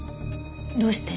どうして？